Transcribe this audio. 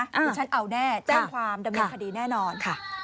ที่ฉันเอาแน่แจ้งความดำเนินคดีแน่นอนค่ะ